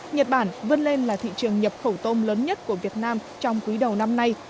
nhật bản vươn lên là thị trường nhập khẩu tôm lớn nhất của việt nam trong quý đầu năm nay